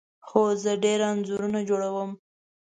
هو، زه ډیر انځورونه جوړوم